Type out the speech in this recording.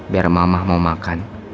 biar mama mau makan